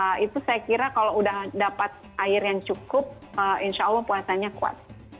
nah itu saya kira kalau udah dapat air yang cukup insya allah puasanya kuat